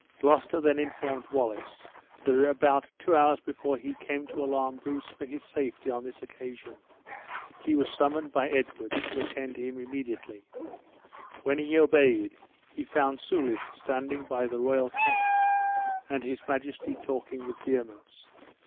Gloucester then informed Wallace that about two hours before he came to alarm Bruce for his safety on this occasion, he was summoned by Edward to attend him immediately. When he obeyed, he found Soulis standing by the royal couch, and his majesty talking with vehemence.